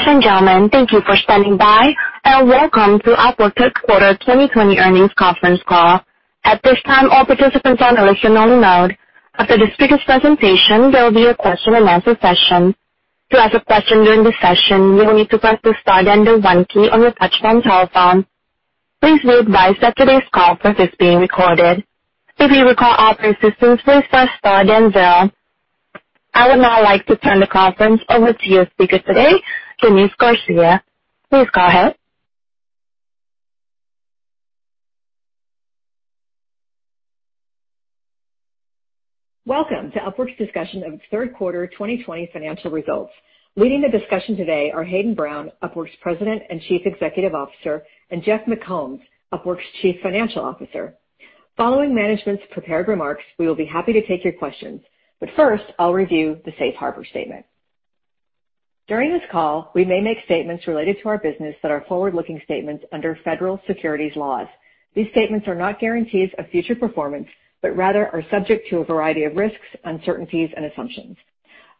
Ladies and gentlemen, thank you for standing by, and welcome to Upwork's third quarter 2020 earnings conference call. At this time, all participants are in a listen-only mode. After the speaker's presentation, there will be a question-and-answer session. To ask a question during the session, you will need to press the star then the one key on your touchtone telephone. Please be advised that today's call conference is being recorded. If you require operator assistance, please press star then zero. I would now like to turn the conference over to your speaker today, Denise Garcia. Please go ahead. Welcome to Upwork's discussion of its third quarter 2020 financial results. Leading the discussion today are Hayden Brown, Upwork's President and Chief Executive Officer, and Jeff McCombs, Upwork's Chief Financial Officer. Following management's prepared remarks, we will be happy to take your questions. First, I'll review the safe harbor statement. During this call, we may make statements related to our business that are forward-looking statements under federal securities laws. These statements are not guarantees of future performance, but rather are subject to a variety of risks, uncertainties, and assumptions.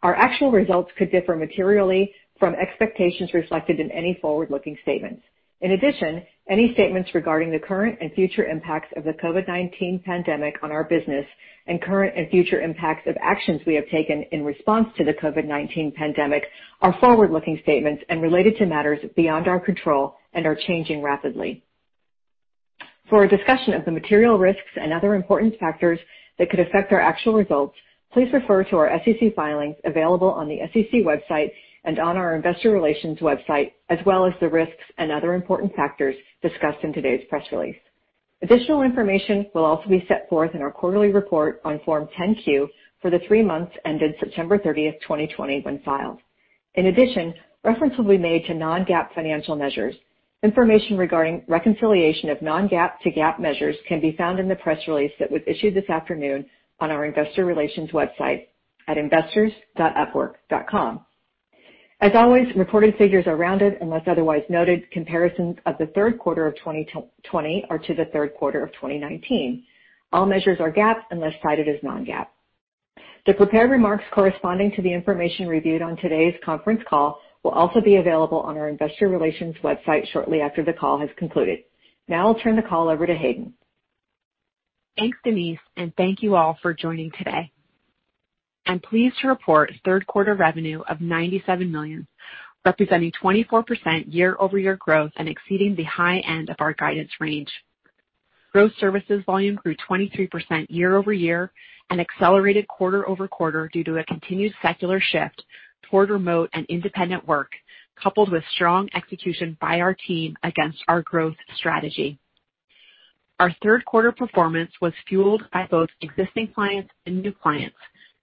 Our actual results could differ materially from expectations reflected in any forward-looking statements. In addition, any statements regarding the current and future impacts of the COVID-19 pandemic on our business and current and future impacts of actions we have taken in response to the COVID-19 pandemic are forward-looking statements and related to matters beyond our control and are changing rapidly. For a discussion of the material risks and other important factors that could affect our actual results, please refer to our SEC filings available on the SEC website and on our Investor Relations website, as well as the risks and other important factors discussed in today's press release. Additional information will also be set forth in our quarterly report on Form 10-Q for the three months ended September 30th, 2020, when filed. In addition, reference will be made to non-GAAP financial measures. Information regarding reconciliation of non-GAAP to GAAP measures can be found in the press release that was issued this afternoon on our investor relations website at investors.upwork.com. As always, reported figures are rounded unless otherwise noted. Comparisons of the third quarter of 2020 are to the third quarter of 2019. All measures are GAAP unless cited as non-GAAP. The prepared remarks corresponding to the information reviewed on today's conference call will also be available on our Investor Relations website shortly after the call has concluded. Now I'll turn the call over to Hayden. Thanks, Denise, and thank you all for joining today. I'm pleased to report third quarter revenue of $97 million, representing 24% year-over-year growth and exceeding the high end of our guidance range. Gross Services Volume grew 23% year-over-year and accelerated quarter-over-quarter due to a continued secular shift toward remote and independent work, coupled with strong execution by our team against our growth strategy. Our third quarter performance was fueled by both existing clients and new clients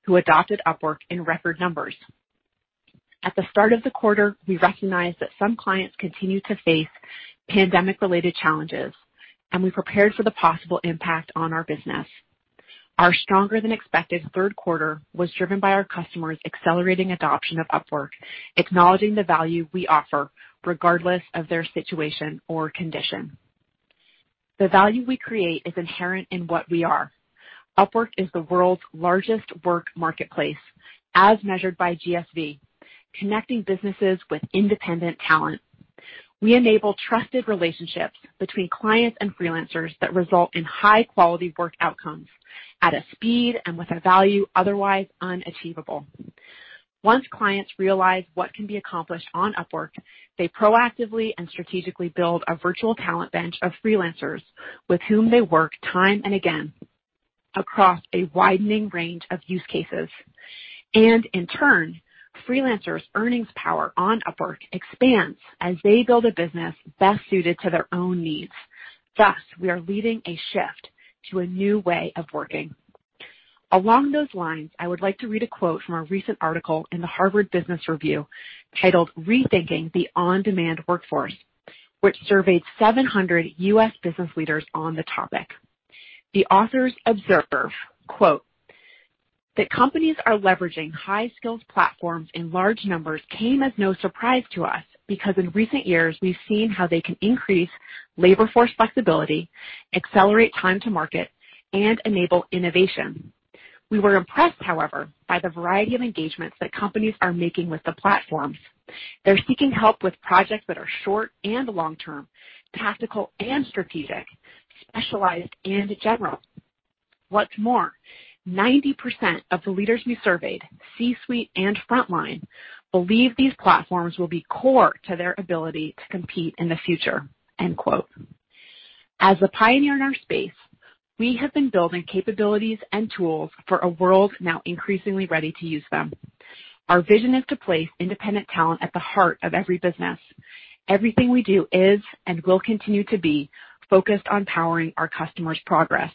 who adopted Upwork in record numbers. At the start of the quarter, we recognized that some clients continued to face pandemic-related challenges, and we prepared for the possible impact on our business. Our stronger than expected third quarter was driven by our customers accelerating adoption of Upwork, acknowledging the value we offer regardless of their situation or condition. The value we create is inherent in what we are. Upwork is the world's largest work marketplace, as measured by GSV, connecting businesses with independent talent. We enable trusted relationships between clients and freelancers that result in high-quality work outcomes at a speed and with a value otherwise unachievable. Once clients realize what can be accomplished on Upwork, they proactively and strategically build a virtual talent bench of freelancers with whom they work time and again across a widening range of use cases. In turn, freelancers' earnings power on Upwork expands as they build a business best suited to their own needs. Thus, we are leading a shift to a new way of working. Along those lines, I would like to read a quote from a recent article in the Harvard Business Review titled "Rethinking the On-Demand Workforce," which surveyed 700 U.S. business leaders on the topic. The authors observe, quote, "That companies are leveraging high-skilled platforms in large numbers came as no surprise to us because in recent years, we've seen how they can increase labor force flexibility, accelerate time to market, and enable innovation. We were impressed, however, by the variety of engagements that companies are making with the platforms. They're seeking help with projects that are short and long-term, tactical and strategic, specialized and general. What's more, 90% of the leaders we surveyed, C-suite and frontline, believe these platforms will be core to their ability to compete in the future." End quote. As a pioneer in our space, we have been building capabilities and tools for a world now increasingly ready to use them. Our vision is to place independent talent at the heart of every business. Everything we do is and will continue to be focused on powering our customers' progress.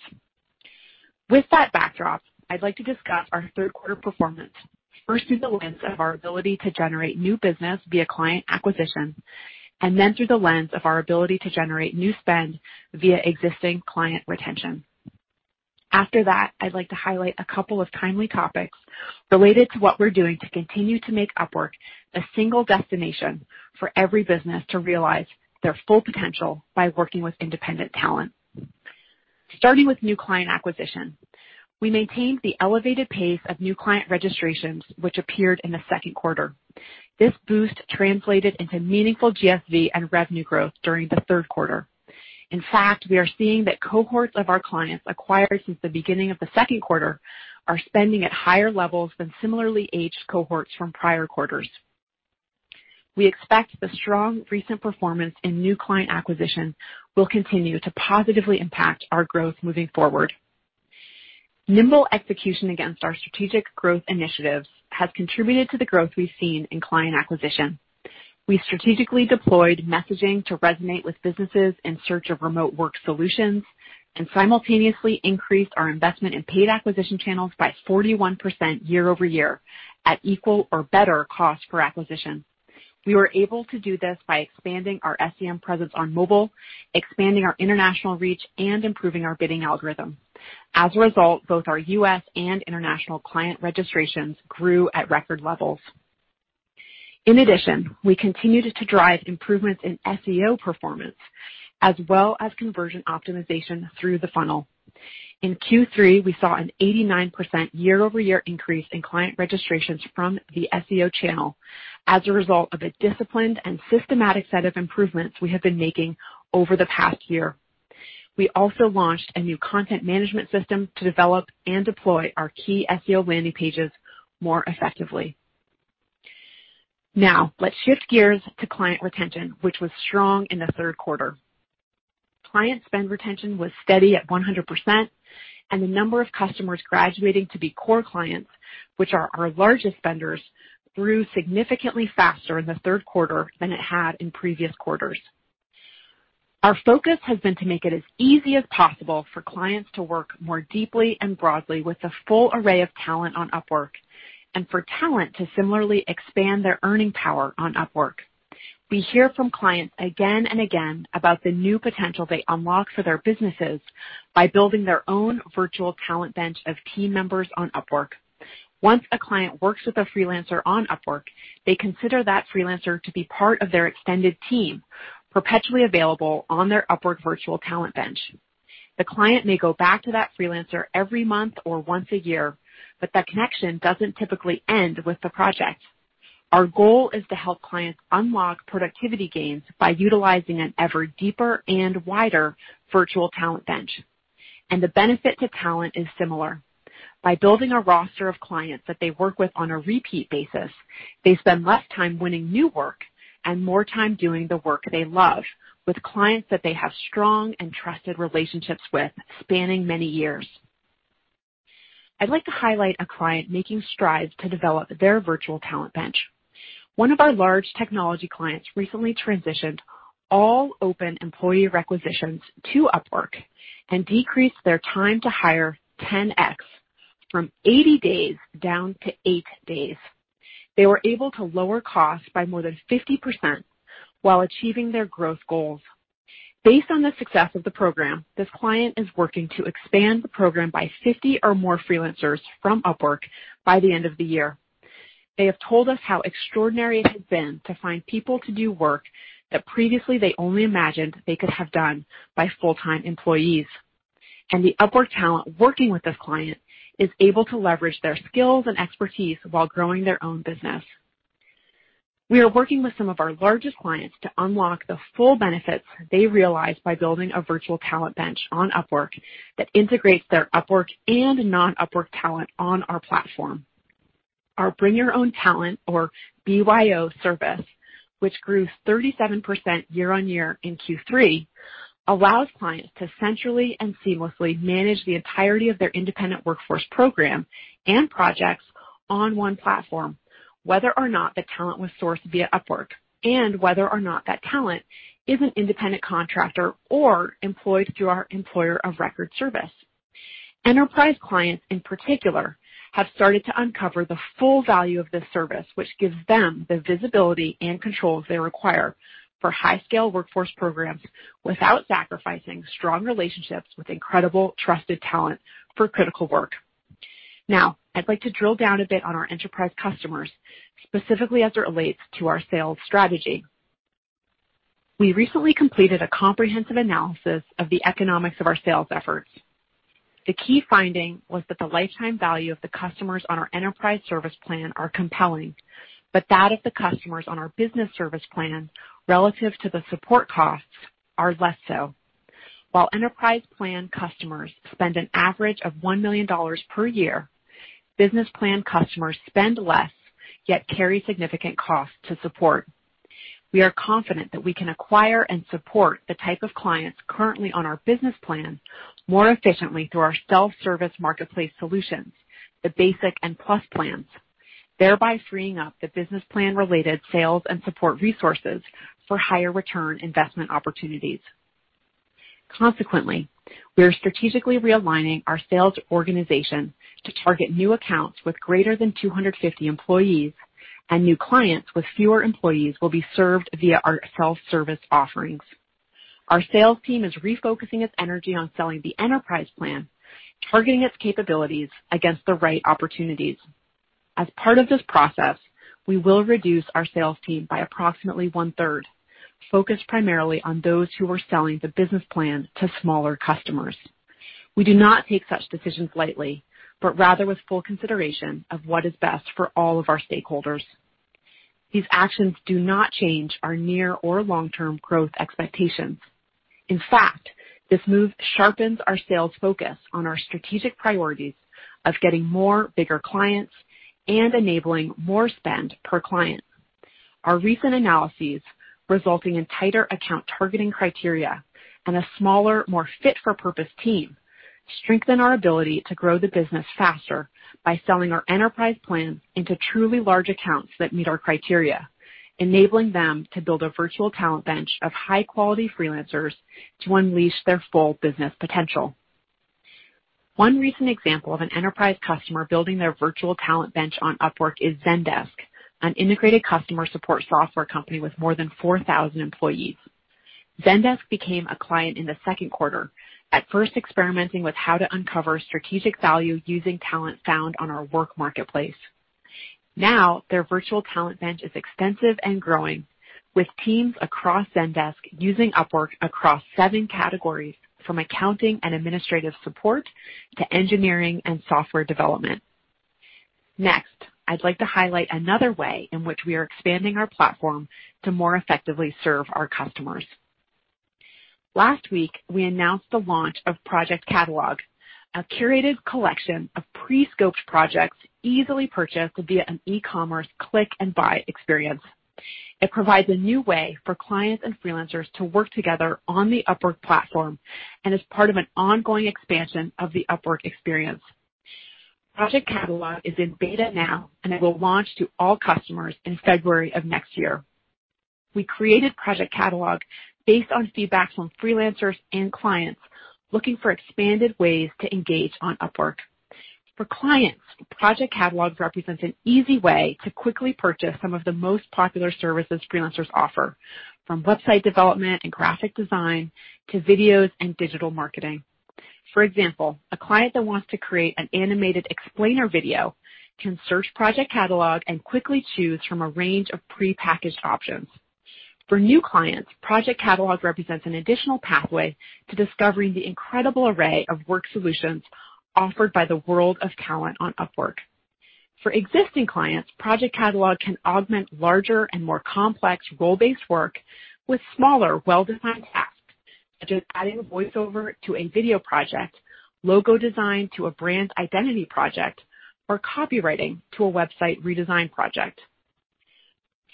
With that backdrop, I'd like to discuss our third quarter performance, first through the lens of our ability to generate new business via client acquisition, and then through the lens of our ability to generate new spend via existing client retention. After that, I'd like to highlight a couple of timely topics related to what we're doing to continue to make Upwork the single destination for every business to realize their full potential by working with independent talent. Starting with new client acquisition. We maintained the elevated pace of new client registrations, which appeared in the second quarter. This boost translated into meaningful GSV and revenue growth during the third quarter. In fact, we are seeing that cohorts of our clients acquired since the beginning of the second quarter are spending at higher levels than similarly aged cohorts from prior quarters. We expect the strong recent performance in new client acquisition will continue to positively impact our growth moving forward. Nimble execution against our strategic growth initiatives has contributed to the growth we've seen in client acquisition. We strategically deployed messaging to resonate with businesses in search of remote work solutions, and simultaneously increased our investment in paid acquisition channels by 41% year-over-year at equal or better cost per acquisition. We were able to do this by expanding our SEM presence on mobile, expanding our international reach, and improving our bidding algorithm. As a result, both our U.S. and international client registrations grew at record levels. In addition, we continued to drive improvements in SEO performance as well as conversion optimization through the funnel. In Q3, we saw an 89% year-over-year increase in client registrations from the SEO channel as a result of a disciplined and systematic set of improvements we have been making over the past year. We also launched a new content management system to develop and deploy our key SEO landing pages more effectively. Now let's shift gears to client retention, which was strong in the third quarter. Client spend retention was steady at 100%, and the number of customers graduating to be core clients, which are our largest spenders, grew significantly faster in the third quarter than it had in previous quarters. Our focus has been to make it as easy as possible for clients to work more deeply and broadly with the full array of talent on Upwork, and for talent to similarly expand their earning power on Upwork. We hear from clients again and again about the new potential they unlock for their businesses by building their own virtual talent bench of team members on Upwork. Once a client works with a freelancer on Upwork, they consider that freelancer to be part of their extended team, perpetually available on their Upwork virtual talent bench. The client may go back to that freelancer every month or once a year, but that connection doesn't typically end with the project. Our goal is to help clients unlock productivity gains by utilizing an ever deeper and wider virtual talent bench, and the benefit to talent is similar. By building a roster of clients that they work with on a repeat basis, they spend less time winning new work and more time doing the work they love with clients that they have strong and trusted relationships with spanning many years. I'd like to highlight a client making strides to develop their virtual talent bench. One of our large technology clients recently transitioned all open employee requisitions to Upwork and decreased their time to hire 10x from 80 days down to eight days. They were able to lower costs by more than 50% while achieving their growth goals. Based on the success of the program, this client is working to expand the program by 50 or more freelancers from Upwork by the end of the year. They have told us how extraordinary it has been to find people to do work that previously they only imagined they could have done by full-time employees. The Upwork talent working with this client is able to leverage their skills and expertise while growing their own business. We are working with some of our largest clients to unlock the full benefits they realize by building a virtual talent bench on Upwork that integrates their Upwork and non-Upwork talent on our platform. Our Bring Your Own Talent, or BYO service, which grew 37% year-on-year in Q3, allows clients to centrally and seamlessly manage the entirety of their independent workforce program and projects on one platform, whether or not the talent was sourced via Upwork, and whether or not that talent is an independent contractor or employed through our employer of record service. Enterprise clients in particular, have started to uncover the full value of this service, which gives them the visibility and control they require for high-scale workforce programs without sacrificing strong relationships with incredible trusted talent for critical work. Now, I'd like to drill down a bit on our enterprise customers, specifically as it relates to our sales strategy. We recently completed a comprehensive analysis of the economics of our sales efforts. The key finding was that the lifetime value of the customers on our enterprise service plan are compelling, but that of the customers on our business service plan relative to the support costs are less so. While enterprise plan customers spend an average of $1 million per year, business plan customers spend less, yet carry significant costs to support. We are confident that we can acquire and support the type of clients currently on our business plan more efficiently through our self-service marketplace solutions, the Basic and Plus plans, thereby freeing up the business plan related sales and support resources for higher return investment opportunities. Consequently, we are strategically realigning our sales organization to target new accounts with greater than 250 employees, and new clients with fewer employees will be served via our self-service offerings. Our sales team is refocusing its energy on selling the enterprise plan, targeting its capabilities against the right opportunities. As part of this process, we will reduce our sales team by approximately 1/3, focused primarily on those who are selling the business plan to smaller customers. We do not take such decisions lightly, but rather with full consideration of what is best for all of our stakeholders. These actions do not change our near or long-term growth expectations. In fact, this move sharpens our sales focus on our strategic priorities of getting more bigger clients and enabling more spend per client. Our recent analyses, resulting in tighter account targeting criteria and a smaller, more fit-for-purpose team, strengthen our ability to grow the business faster by selling our enterprise plan into truly large accounts that meet our criteria, enabling them to build a virtual talent bench of high-quality freelancers to unleash their full business potential. One recent example of an enterprise customer building their virtual talent bench on Upwork is Zendesk, an integrated customer support software company with more than 4,000 employees. Zendesk became a client in the second quarter, at first experimenting with how to uncover strategic value using talent found on our work marketplace. Now their virtual talent bench is extensive and growing, with teams across Zendesk using Upwork across seven categories, from accounting and administrative support to engineering and software development. Next, I'd like to highlight another way in which we are expanding our platform to more effectively serve our customers. Last week, we announced the launch of Project Catalog, a curated collection of pre-scoped projects easily purchased via an e-commerce click-and-buy experience. It provides a new way for clients and freelancers to work together on the Upwork platform and is part of an ongoing expansion of the Upwork experience. Project Catalog is in beta now, and it will launch to all customers in February of next year. We created Project Catalog based on feedback from freelancers and clients looking for expanded ways to engage on Upwork. For clients, Project Catalog represents an easy way to quickly purchase some of the most popular services freelancers offer, from website development and graphic design to videos and digital marketing. For example, a client that wants to create an animated explainer video can search Project Catalog and quickly choose from a range of prepackaged options. For new clients, Project Catalog represents an additional pathway to discovering the incredible array of work solutions offered by the world of talent on Upwork. For existing clients, Project Catalog can augment larger and more complex role-based work with smaller, well-designed tasks, such as adding a voiceover to a video project, logo design to a brand identity project, or copywriting to a website redesign project.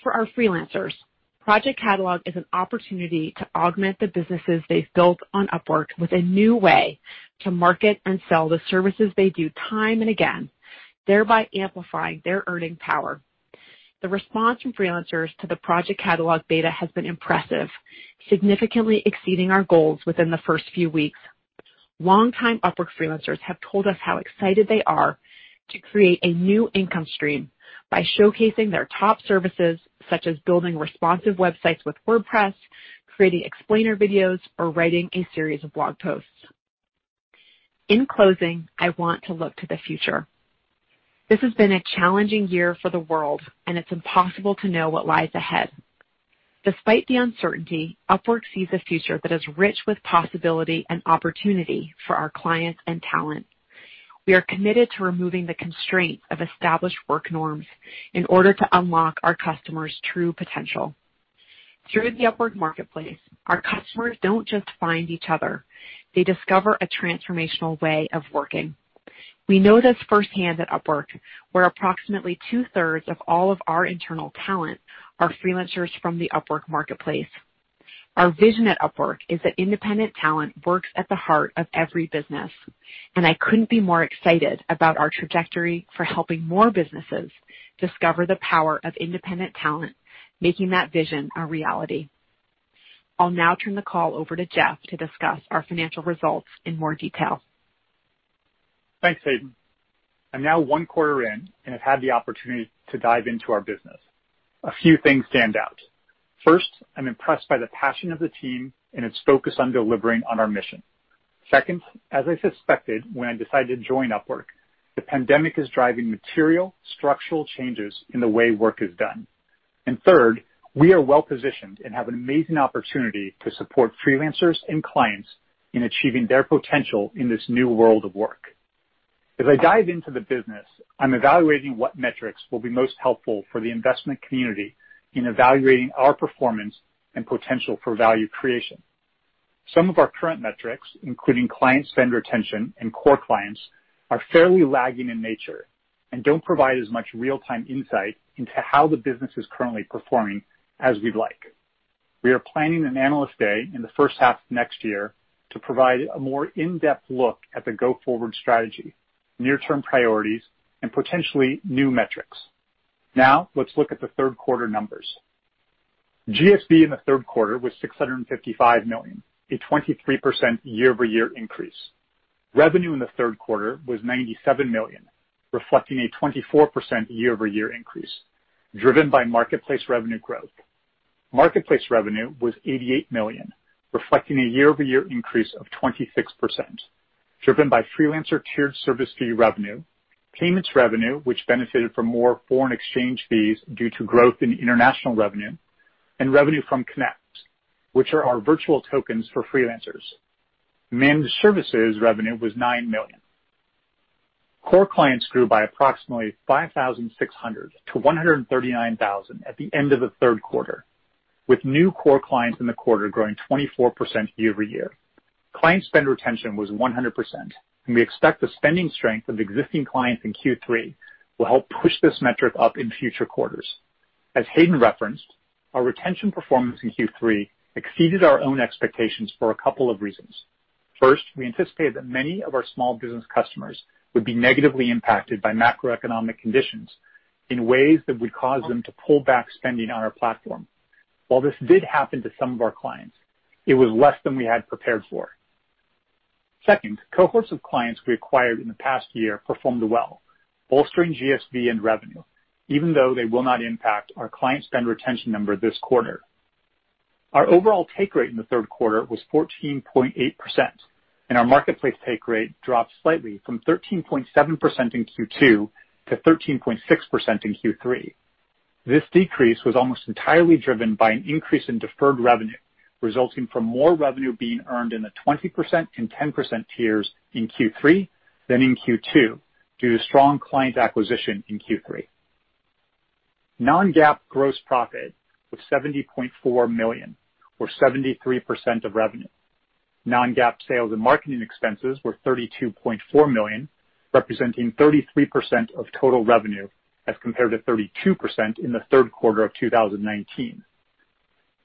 For our freelancers, Project Catalog is an opportunity to augment the businesses they've built on Upwork with a new way to market and sell the services they do time and again, thereby amplifying their earning power. The response from freelancers to the Project Catalog beta has been impressive, significantly exceeding our goals within the first few weeks. Long-time Upwork freelancers have told us how excited they are to create a new income stream by showcasing their top services, such as building responsive websites with WordPress, creating explainer videos, or writing a series of blog posts. In closing, I want to look to the future. This has been a challenging year for the world, and it's impossible to know what lies ahead. Despite the uncertainty, Upwork sees a future that is rich with possibility and opportunity for our clients and talent. We are committed to removing the constraint of established work norms in order to unlock our customers' true potential. Through the Upwork marketplace, our customers don't just find each other, they discover a transformational way of working. We know this firsthand at Upwork, where approximately 2/3s of all of our internal talent are freelancers from the Upwork marketplace. Our vision at Upwork is that independent talent works at the heart of every business. I couldn't be more excited about our trajectory for helping more businesses discover the power of independent talent, making that vision a reality. I'll now turn the call over to Jeff to discuss our financial results in more detail. Thanks, Hayden. I'm now one quarter in and have had the opportunity to dive into our business. A few things stand out. First, I'm impressed by the passion of the team and its focus on delivering on our mission. Second, as I suspected when I decided to join Upwork, the pandemic is driving material structural changes in the way work is done. Third, we are well positioned and have an amazing opportunity to support freelancers and clients in achieving their potential in this new world of work. As I dive into the business, I'm evaluating what metrics will be most helpful for the investment community in evaluating our performance and potential for value creation. Some of our current metrics, including client spend retention and core clients, are fairly lagging in nature and don't provide as much real-time insight into how the business is currently performing as we'd like. We are planning an analyst day in the first half of next year to provide a more in-depth look at the go-forward strategy, near-term priorities, and potentially new metrics. Now let's look at the third quarter numbers. GSV in the third quarter was $655 million, a 23% year-over-year increase. Revenue in the third quarter was $97 million, reflecting a 24% year-over-year increase driven by marketplace revenue growth. Marketplace revenue was $88 million, reflecting a year-over-year increase of 26%, driven by freelancer tiered service fee revenue, payments revenue, which benefited from more foreign exchange fees due to growth in international revenue, and revenue from Connects, which are our virtual tokens for freelancers. Managed services revenue was $9 million. Core clients grew by approximately 5,600 to 139,000 at the end of the third quarter, with new core clients in the quarter growing 24% year-over-year. Client spend retention was 100%, and we expect the spending strength of existing clients in Q3 will help push this metric up in future quarters. As Hayden referenced, our retention performance in Q3 exceeded our own expectations for a couple of reasons. First, we anticipated that many of our small business customers would be negatively impacted by macroeconomic conditions in ways that would cause them to pull back spending on our platform. While this did happen to some of our clients, it was less than we had prepared for. Second, cohorts of clients we acquired in the past year performed well, bolstering GSV and revenue, even though they will not impact our client spend retention number this quarter. Our overall take rate in the third quarter was 14.8%, and our marketplace take rate dropped slightly from 13.7% in Q2 to 13.6% in Q3. This decrease was almost entirely driven by an increase in deferred revenue, resulting from more revenue being earned in the 20% and 10% tiers in Q3 than in Q2, due to strong client acquisition in Q3. Non-GAAP gross profit was $70.4 million, or 73% of revenue. Non-GAAP sales and marketing expenses were $32.4 million, representing 33% of total revenue as compared to 32% in the third quarter of 2019.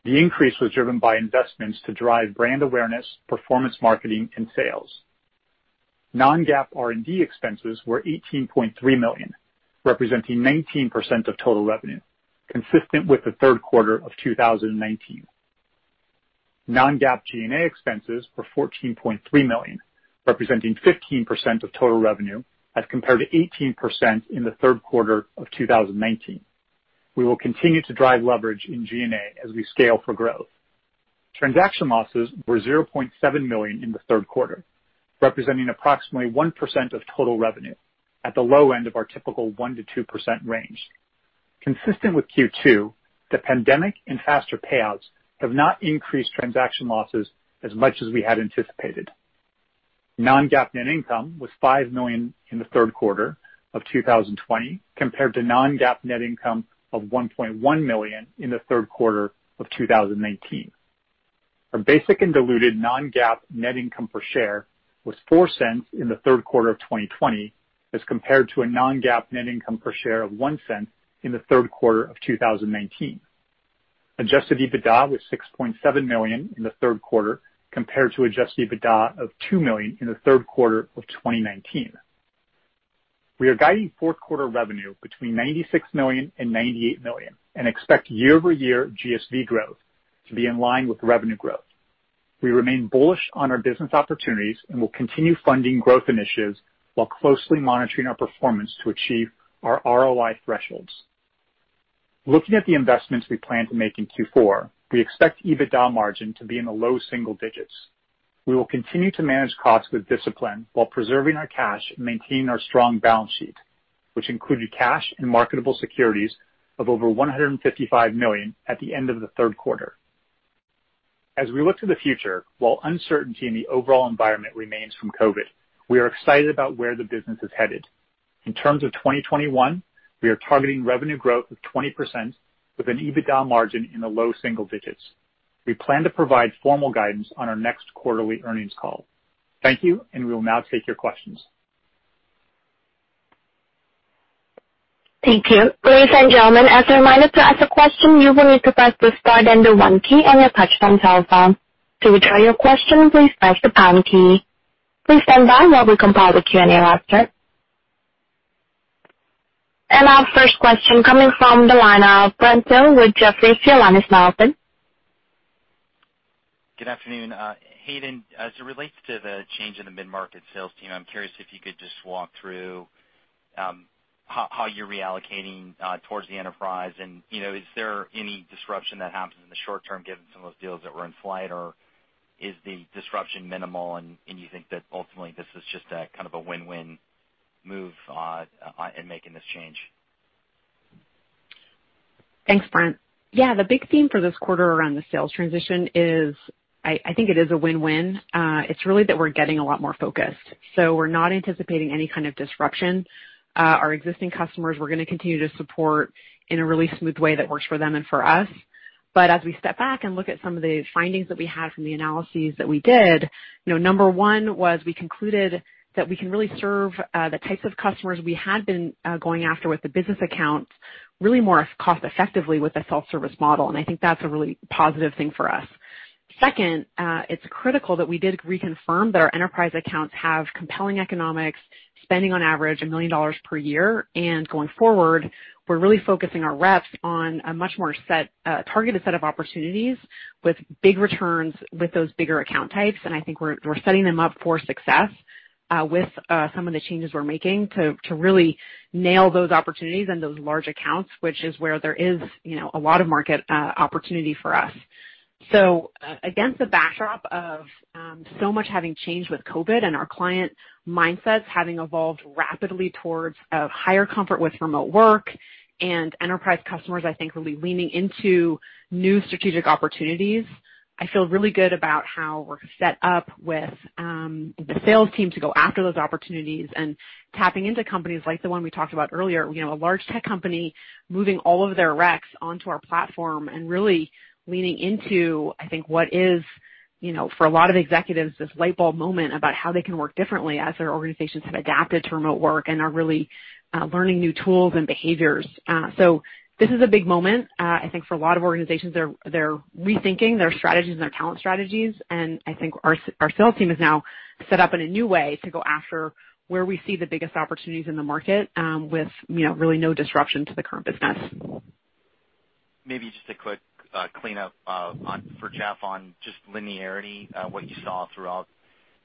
The increase was driven by investments to drive brand awareness, performance marketing, and sales. Non-GAAP R&D expenses were $18.3 million, representing 19% of total revenue, consistent with the third quarter of 2019. Non-GAAP G&A expenses were $14.3 million, representing 15% of total revenue as compared to 18% in the third quarter of 2019. We will continue to drive leverage in G&A as we scale for growth. Transaction losses were $0.7 million in the third quarter, representing approximately 1% of total revenue at the low end of our typical 1%-2% range. Consistent with Q2, the pandemic and faster payouts have not increased transaction losses as much as we had anticipated. Non-GAAP net income was $5 million in the third quarter of 2020 compared to non-GAAP net income of $1.1 million in the third quarter of 2019. Our basic and diluted non-GAAP net income per share was $0.04 in the third quarter of 2020 as compared to a non-GAAP net income per share of $0.01 in the third quarter of 2019. Adjusted EBITDA was $6.7 million in the third quarter compared to adjusted EBITDA of $2 million in the third quarter of 2019. We are guiding fourth quarter revenue between $96 million and $98 million and expect year-over-year GSV growth to be in line with revenue growth. We remain bullish on our business opportunities and will continue funding growth initiatives while closely monitoring our performance to achieve our ROI thresholds. Looking at the investments we plan to make in Q4, we expect EBITDA margin to be in the low single digits. We will continue to manage costs with discipline while preserving our cash and maintaining our strong balance sheet, which included cash and marketable securities of over $155 million at the end of the third quarter. As we look to the future, while uncertainty in the overall environment remains from COVID, we are excited about where the business is headed. In terms of 2021, we are targeting revenue growth of 20% with an EBITDA margin in the low single digits. We plan to provide formal guidance on our next quarterly earnings call. Thank you. We will now take your questions. Thank you. Ladies and gentlemen, as a reminder to ask a question, you will need to press the star then the one key on your touchtone telephone. To withdraw your question, please press the pound key. Please stand by while we compile the Q&A roster. Our first question coming from the line of Brent Thill with Jefferies. Your line is now open. Good afternoon. Hayden, as it relates to the change in the mid-market sales team, I'm curious if you could just walk through how you're reallocating towards the enterprise and is there any disruption that happens in the short term given some of those deals that were in flight, or is the disruption minimal and you think that ultimately this is just a win-win move in making this change? Thanks, Brent. The big theme for this quarter around the sales transition is, I think it is a win-win. It's really that we're getting a lot more focused. We're not anticipating any kind of disruption. Our existing customers, we're going to continue to support in a really smooth way that works for them and for us. As we step back and look at some of the findings that we had from the analyses that we did, number one was we concluded that we can really serve the types of customers we had been going after with the business accounts really more cost effectively with a self-service model. I think that's a really positive thing for us. Second, it's critical that we did reconfirm that our enterprise accounts have compelling economics, spending on average $1 million per year. Going forward, we're really focusing our reps on a much more targeted set of opportunities with big returns with those bigger account types. I think we're setting them up for success with some of the changes we're making to really nail those opportunities and those large accounts, which is where there is a lot of market opportunity for us. Against the backdrop of so much having changed with COVID and our client mindsets having evolved rapidly towards a higher comfort with remote work, and enterprise customers, I think, really leaning into new strategic opportunities. I feel really good about how we're set up with the sales team to go after those opportunities and tapping into companies like the one we talked about earlier, a large tech company moving all of their reqs onto our platform and really leaning into, I think, what is, for a lot of executives, this light bulb moment about how they can work differently as their organizations have adapted to remote work and are really learning new tools and behaviors. This is a big moment, I think, for a lot of organizations. They're rethinking their strategies and their talent strategies, and I think our sales team is now set up in a new way to go after where we see the biggest opportunities in the market with really no disruption to the current business. Maybe just a quick cleanup for Jeff on just linearity, what you saw throughout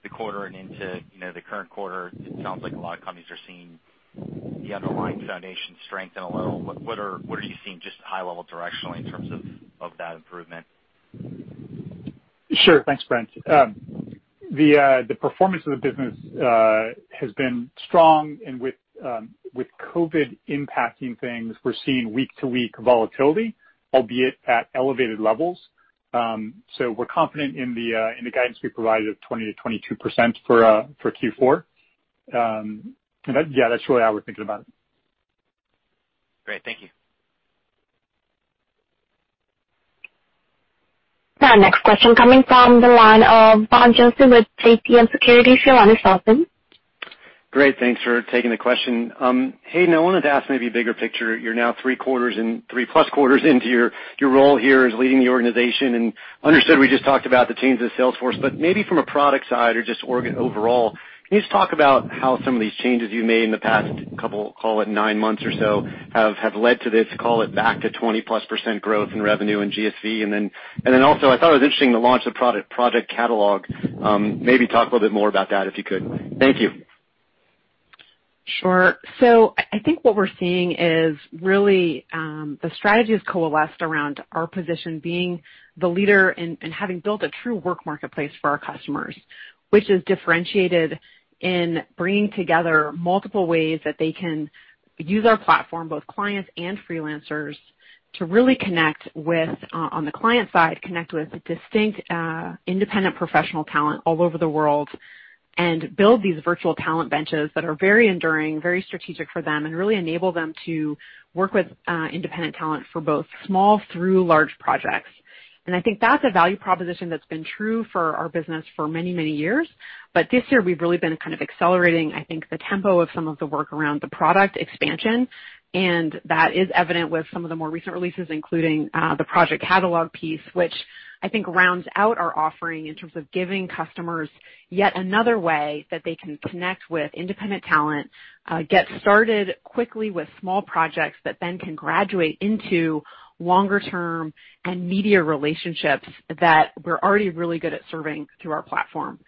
the quarter and into the current quarter. It sounds like a lot of companies are seeing the underlying foundation strengthen a little. What are you seeing, just high level directionally in terms of that improvement? Sure. Thanks, Brent. The performance of the business has been strong, and with COVID impacting things, we're seeing week-to-week volatility, albeit at elevated levels. We're confident in the guidance we provided of 20%-22% for Q4. Yeah, that's really how we're thinking about it. Great. Thank you. Our next question coming from the line of Ronald Josey with JMP Securities. Your line is open. Great. Thanks for taking the question. Hayden, I wanted to ask maybe bigger picture. You're now three plus quarters into your role here as leading the organization, and understood we just talked about the change in the sales force, but maybe from a product side or just overall, can you just talk about how some of these changes you've made in the past couple, call it nine months or so, have led to this, call it back to 20+% growth in revenue and GSV? I thought it was interesting the launch of Project Catalog. Maybe talk a little bit more about that if you could. Thank you. Sure. I think what we're seeing is really the strategy has coalesced around our position being the leader and having built a true work marketplace for our customers, which is differentiated in bringing together multiple ways that they can use our platform, both clients and freelancers, to really connect with, on the client side, connect with distinct independent professional talent all over the world and build these virtual talent benches that are very enduring, very strategic for them, and really enable them to work with independent talent for both small through large projects. I think that's a value proposition that's been true for our business for many, many years. This year, we've really been kind of accelerating, I think, the tempo of some of the work around the product expansion, and that is evident with some of the more recent releases, including the Project Catalog piece, which I think rounds out our offering in terms of giving customers yet another way that they can connect with independent talent, get started quickly with small projects that then can graduate into longer-term and meatier relationships that we're already really good at serving through our platform.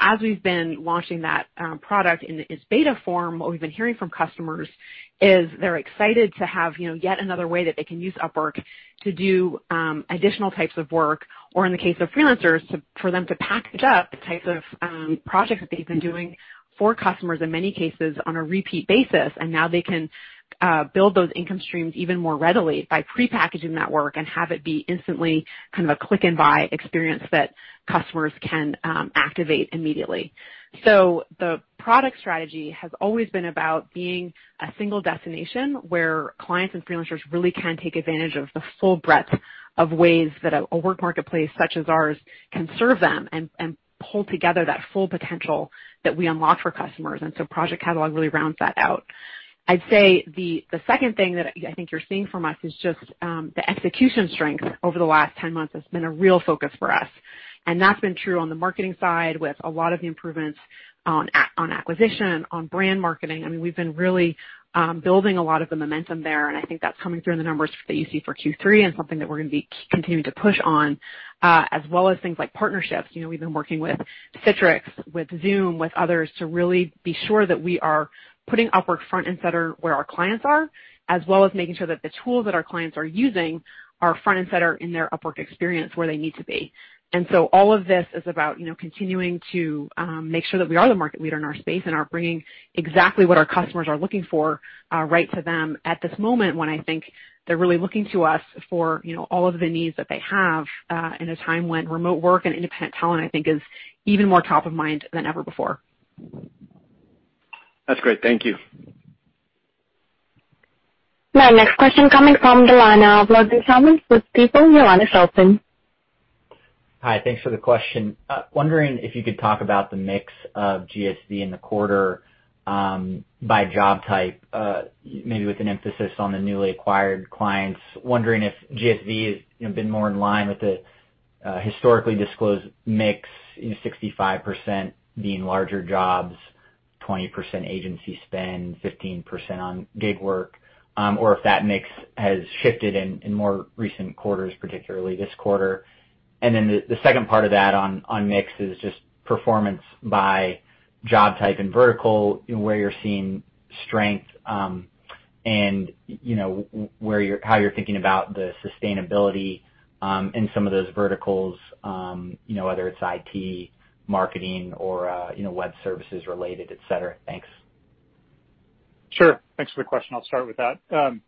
As we've been launching that product in its beta form, what we've been hearing from customers is they're excited to have yet another way that they can use Upwork to do additional types of work. In the case of freelancers, for them to package up the types of projects that they've been doing for customers, in many cases on a repeat basis. Now they can build those income streams even more readily by prepackaging that work and have it be instantly kind of a click and buy experience that customers can activate immediately. The product strategy has always been about being a single destination where clients and freelancers really can take advantage of the full breadth of ways that a work marketplace such as ours can serve them and pull together that full potential that we unlock for customers. Project Catalog really rounds that out. I'd say the second thing that I think you're seeing from us is just the execution strength over the last 10 months has been a real focus for us, and that's been true on the marketing side with a lot of the improvements on acquisition, on brand marketing. I mean, we've been really building a lot of the momentum there. I think that's coming through in the numbers that you see for Q3 and something that we're going to be continuing to push on, as well as things like partnerships. We've been working with Citrix, with Zoom, with others to really be sure that we are putting Upwork front and center where our clients are, as well as making sure that the tools that our clients are using are front and center in their Upwork experience where they need to be. All of this is about continuing to make sure that we are the market leader in our space and are bringing exactly what our customers are looking for right to them at this moment when I think they're really looking to us for all of the needs that they have in a time when remote work and independent talent, I think, is even more top of mind than ever before. That's great. Thank you. My next question coming from the line of Logan Thomas with Stifel. Your line is open. Hi, thanks for the question. Wondering if you could talk about the mix of GSV in the quarter by job type, maybe with an emphasis on the newly acquired clients. Wondering if GSV has been more in line with the historically disclosed mix, 65% being larger jobs, 20% agency spend, 15% on gig work, or if that mix has shifted in more recent quarters, particularly this quarter. The second part of that on mix is just performance by job type and vertical, where you're seeing strength and how you're thinking about the sustainability in some of those verticals, whether it's IT, marketing or web services related, et cetera. Thanks. Sure. Thanks for the question. I'll start with that.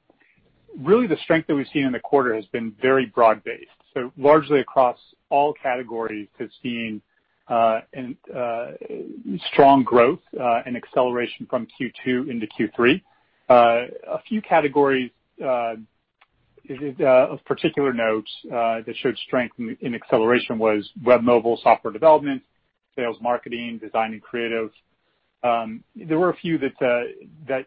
Really, the strength that we've seen in the quarter has been very broad-based. Largely across all categories have seen strong growth and acceleration from Q2 into Q3. A few categories of particular note that showed strength in acceleration was web mobile software development, sales marketing, design and creative. There were a few that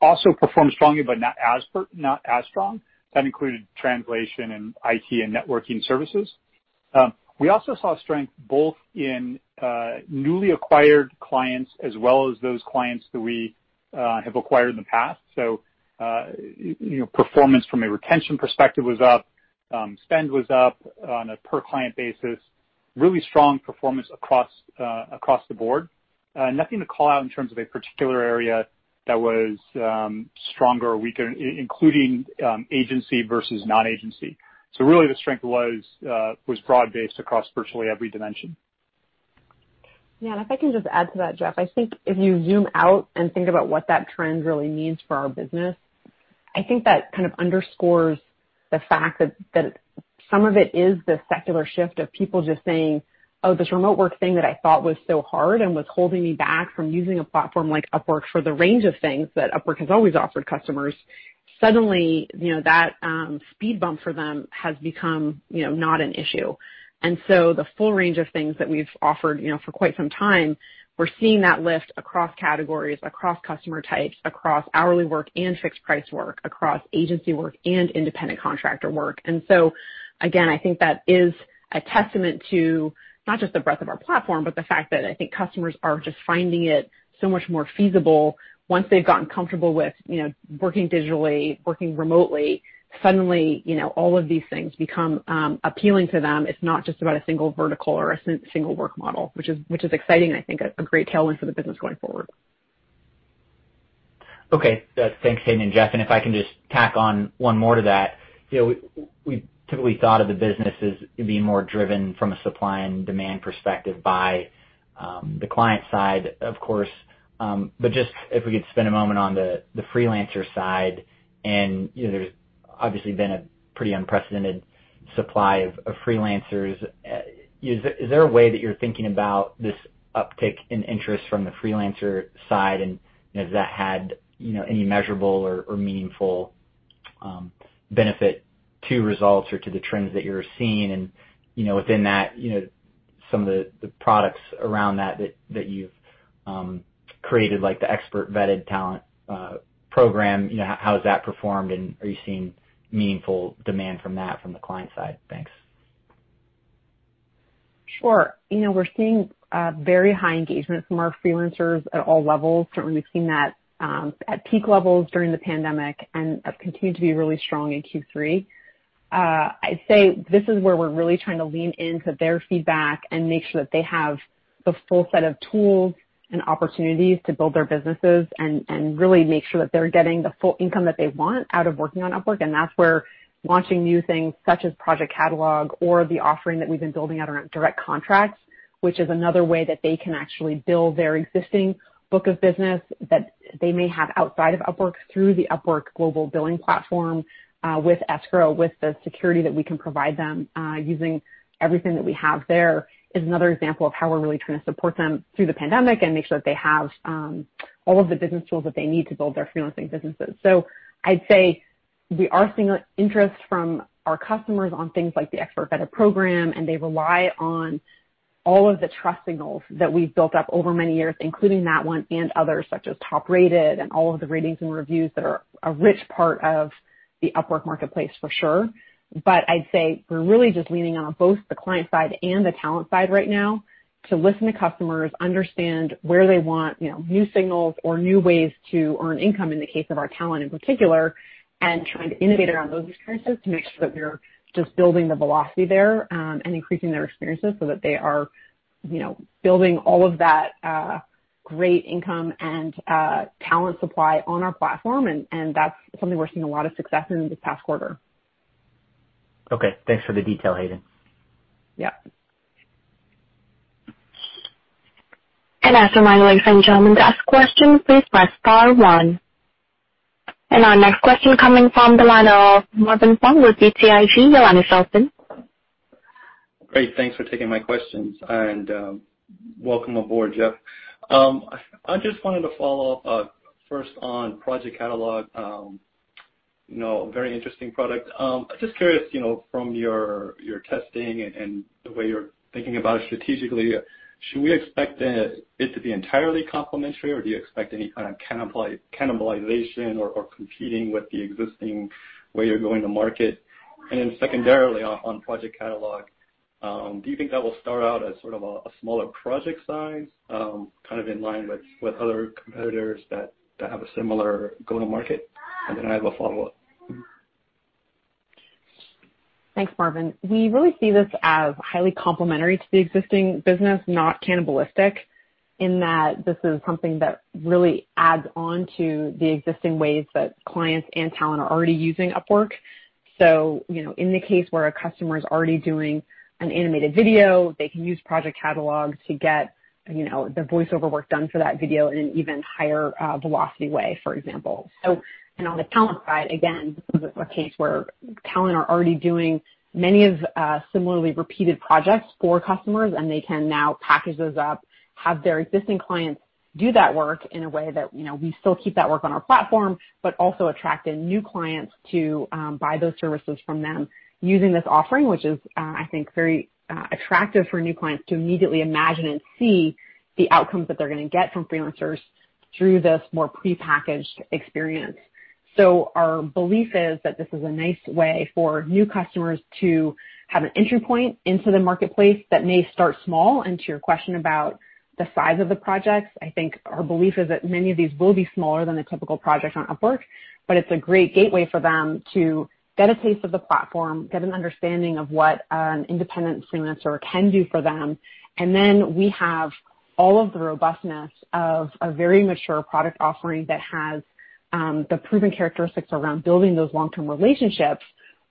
also performed strongly, but not as strong. That included translation and IT and networking services. We also saw strength both in newly acquired clients as well as those clients that we have acquired in the past. Performance from a retention perspective was up, spend was up on a per-client basis, really strong performance across the board. Nothing to call out in terms of a particular area that was stronger or weaker, including agency versus non-agency. Really the strength was broad-based across virtually every dimension. If I can just add to that, Jeff, I think if you zoom out and think about what that trend really means for our business, I think that kind of underscores the fact that some of it is the secular shift of people just saying, "Oh, this remote work thing that I thought was so hard and was holding me back from using a platform like Upwork for the range of things that Upwork has always offered customers," suddenly, that speed bump for them has become not an issue. The full range of things that we've offered for quite some time, we're seeing that lift across categories, across customer types, across hourly work and fixed price work, across agency work and independent contractor work. Again, I think that is a testament to not just the breadth of our platform, but the fact that I think customers are just finding it so much more feasible once they've gotten comfortable with working digitally, working remotely, suddenly all of these things become appealing to them. It's not just about a single vertical or a single work model, which is exciting and I think a great tailwind for the business going forward. Okay. Thanks, Hayden and Jeff, if I can just tack on one more to that. We typically thought of the business as being more driven from a supply and demand perspective by the client side, of course. Just if we could spend a moment on the freelancer side, and there's obviously been a pretty unprecedented supply of freelancers. Is there a way that you're thinking about this uptick in interest from the freelancer side, and has that had any measurable or meaningful benefit to results or to the trends that you're seeing? Within that, some of the products around that that you've created, like the Expert-Vetted Talent Program, how has that performed and are you seeing meaningful demand from that from the client side? Thanks. Sure. We're seeing very high engagement from our freelancers at all levels. Certainly, we've seen that at peak levels during the pandemic and have continued to be really strong in Q3. I'd say this is where we're really trying to lean into their feedback and make sure that they have the full set of tools and opportunities to build their businesses, and really make sure that they're getting the full income that they want out of working on Upwork. That's where launching new things such as Project Catalog or the offering that we've been building out around Direct Contracts, which is another way that they can actually build their existing book of business that they may have outside of Upwork through the Upwork global billing platform, with escrow, with the security that we can provide them using everything that we have there, is another example of how we're really trying to support them through the pandemic and make sure that they have all of the business tools that they need to build their freelancing businesses. I'd say we are seeing interest from our customers on things like the Expert-Vetted Program, and they rely on all of the trust signals that we've built up over many years, including that one and others such as top-rated and all of the ratings and reviews that are a rich part of the Upwork marketplace for sure. I'd say we're really just leaning on both the client side and the talent side right now to listen to customers, understand where they want new signals or new ways to earn income in the case of our talent in particular, and trying to innovate around those experiences to make sure that we're just building the velocity there, and increasing their experiences so that they are building all of that great income and talent supply on our platform, and that's something we're seeing a lot of success in this past quarter. Okay. Thanks for the detail, Hayden. Yeah. As a reminder, ladies and gentlemen, to ask questions, please press star one. Our next question coming from the line of Marvin Fong with BTIG. Your line is open. Great. Thanks for taking my questions, and welcome aboard, Jeff. I just wanted to follow up first on Project Catalog. Very interesting product. I'm just curious, from your testing and the way you're thinking about it strategically, should we expect it to be entirely complementary, or do you expect any kind of cannibalization or competing with the existing way you're going to market? Secondarily on Project Catalog, do you think that will start out as sort of a smaller project size, kind of in line with other competitors that have a similar go-to-market? I have a follow-up. Thanks, Marvin. We really see this as highly complementary to the existing business, not cannibalistic, in that this is something that really adds on to the existing ways that clients and talent are already using Upwork. In the case where a customer is already doing an animated video, they can use Project Catalog to get the voiceover work done for that video in an even higher velocity way, for example. On the talent side, again, this is a case where talent are already doing many of similarly repeated projects for customers, and they can now package those up, have their existing clients do that work in a way that we still keep that work on our platform, but also attract in new clients to buy those services from them using this offering, which is, I think, very attractive for new clients to immediately imagine and see the outcomes that they're going to get from freelancers through this more prepackaged experience. Our belief is that this is a nice way for new customers to have an entry point into the marketplace that may start small. To your question about the size of the projects, I think our belief is that many of these will be smaller than a typical project on Upwork, but it's a great gateway for them to get a taste of the platform, get an understanding of what an independent freelancer can do for them. Then we have all of the robustness of a very mature product offering that has the proven characteristics around building those long-term relationships,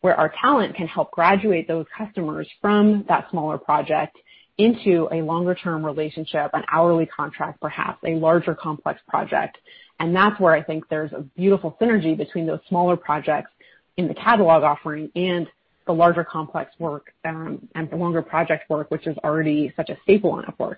where our talent can help graduate those customers from that smaller project into a longer-term relationship, an hourly contract, perhaps a larger, complex project. That's where I think there's a beautiful synergy between those smaller projects in the Project Catalog offering and the larger, complex work and the longer project work, which is already such a staple on Upwork.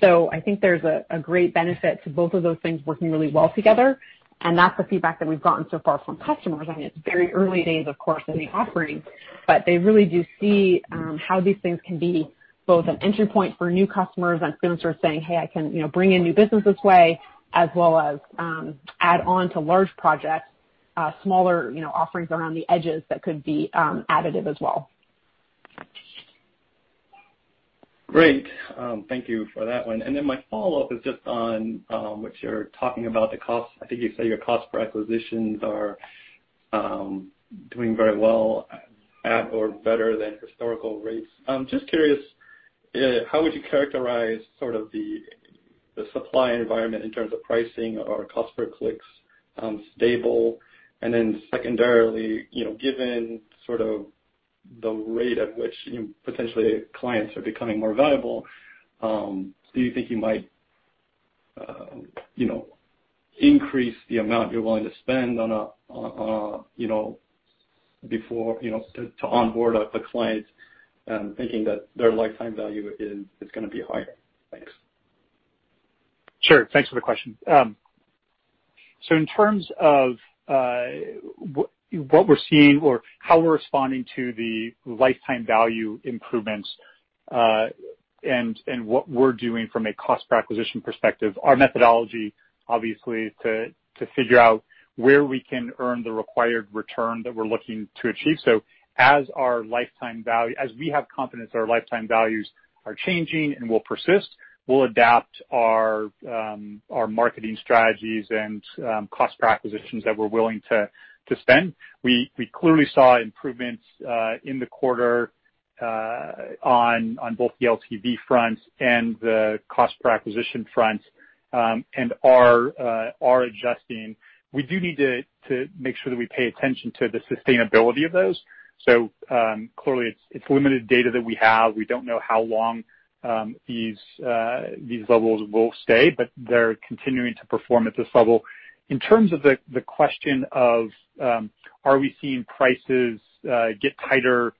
I think there's a great benefit to both of those things working really well together, and that's the feedback that we've gotten so far from customers. I mean, it's very early days, of course, in the offering, but they really do see how these things can be both an entry point for new customers and freelancers saying, "Hey, I can bring in new business this way," as well as add on to large projects, smaller offerings around the edges that could be additive as well. Great. Thank you for that one. My follow-up is just on what you're talking about, the cost. I think you said your cost per acquisitions are doing very well at or better than historical rates. Just curious, how would you characterize sort of the supply environment in terms of pricing or cost per clicks stable? Secondarily, given sort of the rate at which potentially clients are becoming more valuable, do you think you might increase the amount you're willing to spend to onboard a client, thinking that their lifetime value is going to be higher? Thanks. Sure. Thanks for the question. In terms of what we're seeing or how we're responding to the lifetime value improvements and what we're doing from a cost per acquisition perspective, our methodology obviously is to figure out where we can earn the required return that we're looking to achieve. As we have confidence that our lifetime values are changing and will persist, we'll adapt our marketing strategies and cost per acquisitions that we're willing to spend. We clearly saw improvements in the quarter on both the LTV front and the cost per acquisition front and are adjusting. We do need to make sure that we pay attention to the sustainability of those. Clearly it's limited data that we have. We don't know how long these levels will stay, but they're continuing to perform at this level. In terms of the question of are we seeing prices get tighter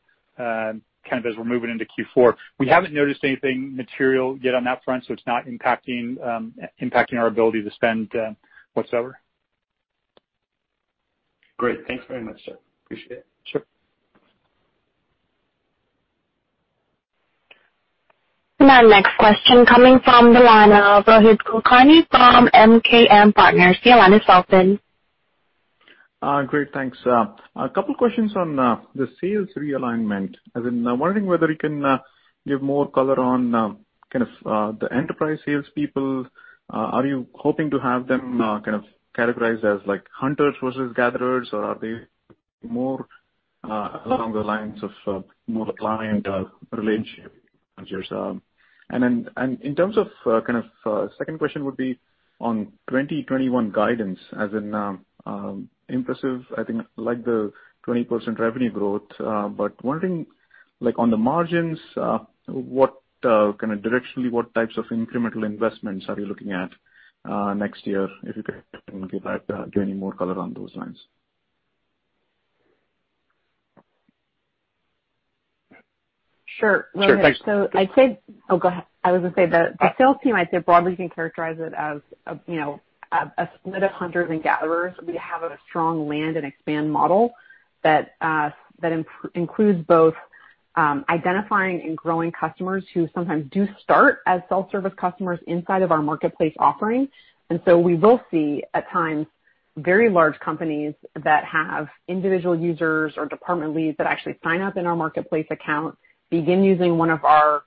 as we're moving into Q4, we haven't noticed anything material yet on that front, so it's not impacting our ability to spend whatsoever. Great. Thanks very much, sir. Appreciate it. Sure. Our next question coming from the line of Rohit Kulkarni from MKM Partners. The line is open. Great, thanks. A couple of questions on the sales realignment, as in I'm wondering whether you can give more color on kind of the enterprise salespeople. Are you hoping to have them kind of categorized as like hunters versus gatherers, or are they more along the lines of more client relationship managers? In terms of kind of second question would be on 2021 guidance as in impressive, I think like the 20% revenue growth. Wondering like on the margins, directionally, what types of incremental investments are you looking at next year, if you can give any more color on those lines. Sure. I'd say Oh, go ahead. I was going to say the sales team, I'd say broadly you can characterize it as a split of hunters and gatherers. We have a strong land and expand model that includes both identifying and growing customers who sometimes do start as self-service customers inside of our marketplace offering. We will see at times very large companies that have individual users or department leads that actually sign up in our marketplace account, begin using one of our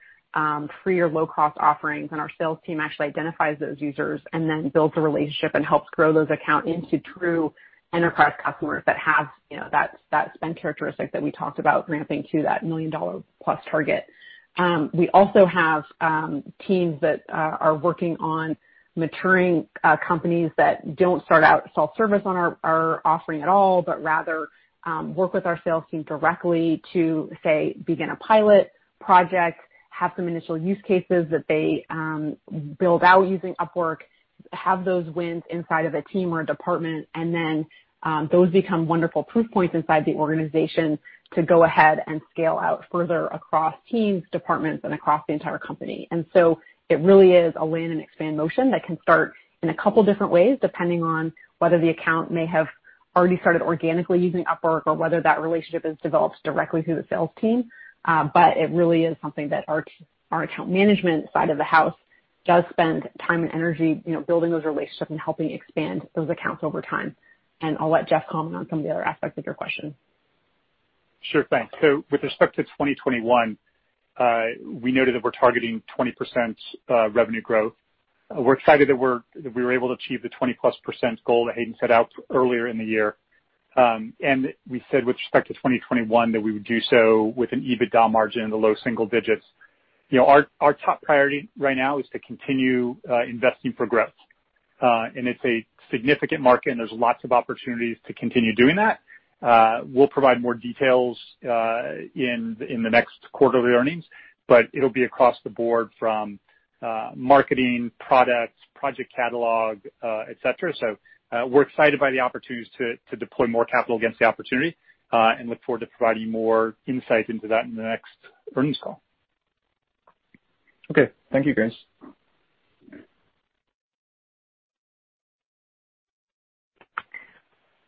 free or low-cost offerings, and our sales team actually identifies those users and then builds a relationship and helps grow those account into true enterprise customers that have that spend characteristic that we talked about ramping to that $1 million+ target. We also have teams that are working on maturing companies that don't start out self-service on our offering at all, but rather work with our sales team directly to, say, begin a pilot project, have some initial use cases that they build out using Upwork, have those wins inside of a team or a department, and then those become wonderful proof points inside the organization to go ahead and scale out further across teams, departments, and across the entire company. It really is a win and expand motion that can start in a couple different ways, depending on whether the account may have already started organically using Upwork or whether that relationship is developed directly through the sales team. It really is something that our account management side of the house does spend time and energy building those relationships and helping expand those accounts over time. I'll let Jeff comment on some of the other aspects of your question. Sure. Thanks. With respect to 2021, we noted that we're targeting 20% revenue growth. We're excited that we were able to achieve the 20+ % goal that Hayden set out earlier in the year. We said with respect to 2021 that we would do so with an EBITDA margin in the low single digits. Our top priority right now is to continue investing for growth. It's a significant market, and there's lots of opportunities to continue doing that. We'll provide more details in the next quarterly earnings, but it'll be across the board from marketing, products, Project Catalog, et cetera. We're excited by the opportunities to deploy more capital against the opportunity and look forward to providing more insight into that in the next earnings call. Okay. Thank you, guys.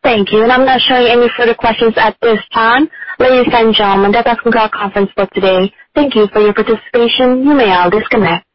Thank you. I'm not showing any further questions at this time. Ladies and gentlemen, that concludes our conference call today. Thank you for your participation. You may all disconnect.